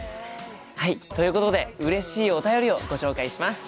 はいということでうれしいお便りをご紹介します。